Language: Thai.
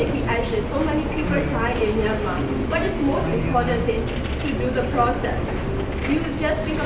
เพราะว่าพวกมันต้องรักษาอินเตอร์